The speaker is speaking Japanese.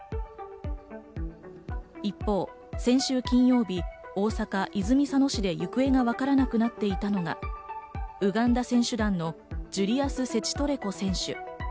一方、先週金曜日、大阪泉佐野市で行方がわからなくなっていたのがウガンダ選手団のジュリアス・セチトレコ選手。